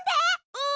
うん！